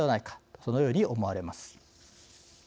そのように思われます。